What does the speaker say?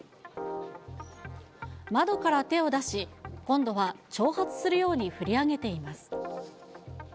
窓から手を出し、今度は挑発するように振り上げています。